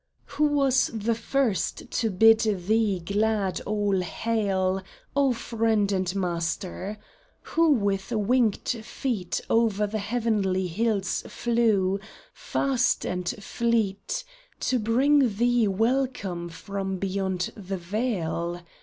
Who was the first to bid thee glad all hail, O friend and master ? Who with winged feet Over the heavenly hills flew, fast and fleet, To bring thee welcome from beyond the veil ?